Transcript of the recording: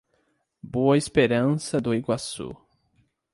Boa Esperança do Iguaçu